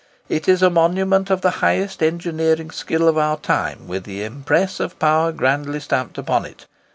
It is a monument of the highest engineering skill of our time, with the impress of power grandly stamped upon it.